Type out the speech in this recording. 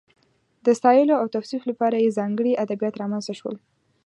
د ستایلو او توصیف لپاره یې ځانګړي ادبیات رامنځته شول.